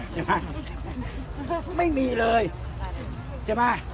ใช่ไหม